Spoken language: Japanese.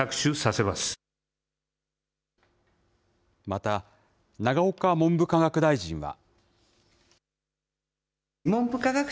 また、永岡文部科学大臣は。